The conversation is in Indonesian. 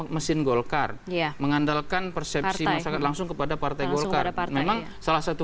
mesin golkar mengandalkan persepsi masyarakat langsung kepada partai golkar memang salah satu